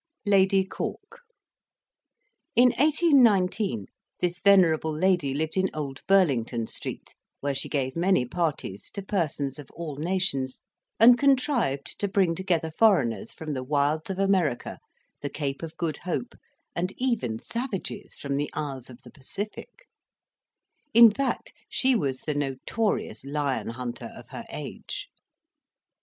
LADY CORK In 1819, this venerable lady lived in Old Burlington Street, where she gave many parties, to persons of all nations, and contrived to bring together foreigners from the wilds of America, the Cape of Good Hope, and even savages from the isles of the Pacific; in fact, she was the notorious lion hunter of her age.